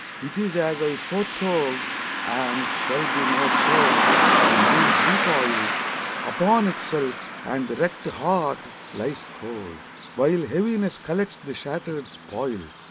it is as I foretold, And shall be more so; for the mind recoils Upon itself, and the wrecked heart lies cold, While Heaviness collects the shattered spoils.